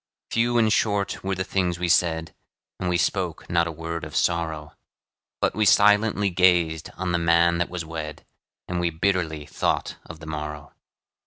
Few and short were the things we said, And we spoke not a word of sorrow, But we silently gazed on the man that was wed, And we bitterly thought of the morrow.